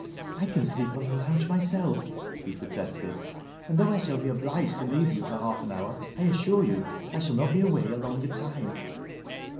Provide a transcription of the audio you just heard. " I can sleep on the lounge myself," he protested " And though I shall be obliged to leave you for half an hour, I assure you I saall not be away a longer time."